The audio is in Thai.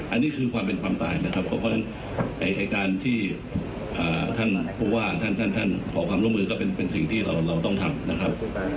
อันนี้คือความเป็นความตายนะครับเพราะฉะนั้นการที่ท่านผู้ว่าท่านขอความร่วมมือก็เป็นสิ่งที่เราต้องทำนะครับ